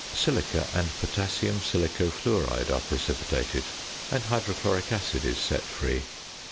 Silica and potassium silico fluoride are precipitated, and hydrochloric acid is set free.